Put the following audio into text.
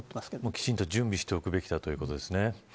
きちんと準備しておくべきだということですね。